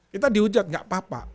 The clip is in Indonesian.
kita diujat gak apa apa